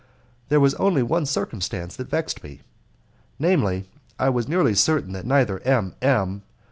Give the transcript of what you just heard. There was only one circumstance that vexed me namely, that I was nearly certain that neither M. M.